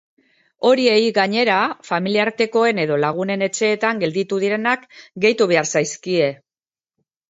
Horiei, gainera, familiartekoen edo lagunen etxeetan gelditu direnak gehitu behar zaizkie.